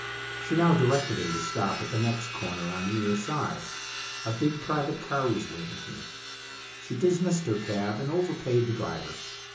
She now directed him to stop at the next corner on the near side. A big private car was waiting here. She dismissed her cab and overpaid the driver.